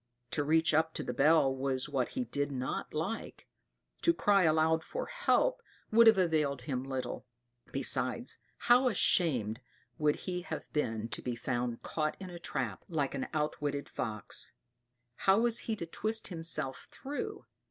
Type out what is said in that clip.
To reach up to the bell was what he did not like; to cry aloud for help would have availed him little; besides, how ashamed would he have been to be found caught in a trap, like an outwitted fox! How was he to twist himself through!